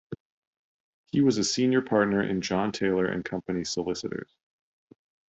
He was a Senior Partner in John Taylor and Company solicitors.